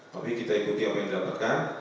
tapi kita ikuti apa yang didapatkan